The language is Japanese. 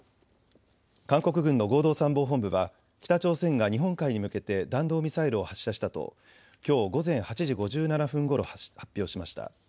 韓国軍の合同参謀本部は北朝鮮が日本海に向けて弾道ミサイルを発射したときょう午前８時５７分ごろ発表しました。